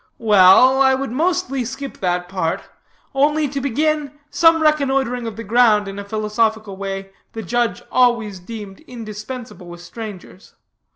"Well, I would mostly skip that part, only, to begin, some reconnoitering of the ground in a philosophical way the judge always deemed indispensable with strangers.